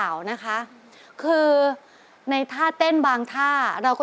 มันแขนที่แซมนี่แดด